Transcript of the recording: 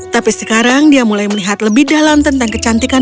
tapi sekarang dia mulai melihat lebih dalam tentang kecantikan